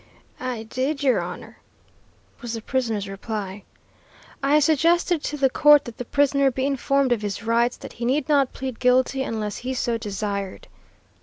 "'I did, yer Honor,' was the prisoner's reply. "I suggested to the court that the prisoner be informed of his rights, that he need not plead guilty unless he so desired.